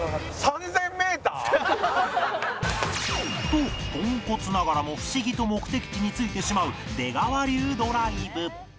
「」とポンコツながらも不思議と目的地に着いてしまう出川流ドライブ